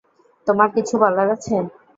তোমায় কিছু বলার আছে।